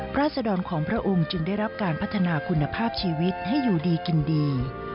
ราศดรของพระองค์จึงได้รับการพัฒนาคุณภาพชีวิตให้อยู่ดีกินดี